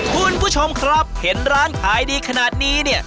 คุณผู้ชมครับเห็นร้านขายดีขนาดนี้เนี่ย